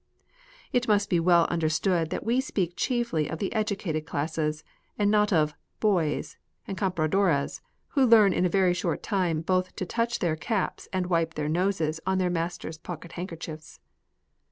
It must be well understood that we speak chiefly of the educated classes, and not of " boys " and compradores who learn in a very short time both to touch their caps and wipe their noses on their masters' pocket handkerchiefs.